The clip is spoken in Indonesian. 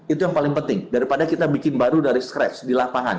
itu yang paling penting daripada kita bikin baru dari scratch di lapangan